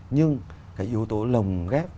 nhưng cái yếu tố lồng ghép